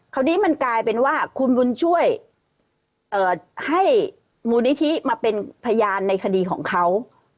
คราวนี้มันกลายเป็นว่าคุณบุญช่วยให้มูลนิธิมาเป็นพยานในคดีของเขา